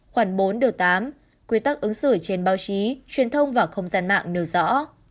khoảng bốn điều tám quy tắc ứng xử trên báo chí truyền thông và không gian mạng nêu rõ